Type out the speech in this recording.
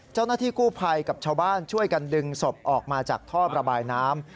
เจ้าหน้าที่กู้ภัยกับชาวบ้านช่วยกันดึงศพออกมาจากท่อประบายน้ำ